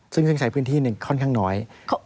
ซึ่งใช้พื้นที่ค่อนข้างน้อย